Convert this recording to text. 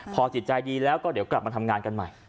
พอจิตใจดีแล้วก็เดี๋ยวกลับมาทำงานกันใหม่